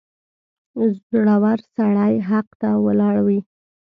• زړور سړی حق ته ولاړ وي.